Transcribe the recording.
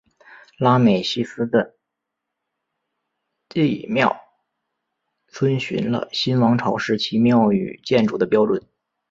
拉美西斯的祭庙遵循了新王朝时期庙与建筑的标准。